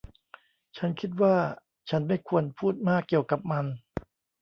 ฉันคิดว่าฉันไม่ควรพูดมากเกี่ยวกับมัน